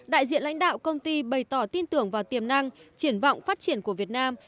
đại diện lãnh đạo công ty bày tỏ tin tưởng vào tiềm năng triển vọng phát triển của việt nam